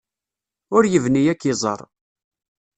Ur yebni ad k-iẓer.